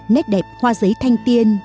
nét đẹp hoa giấy thanh tiên